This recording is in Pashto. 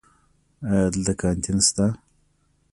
ایا دلته کانتین شته؟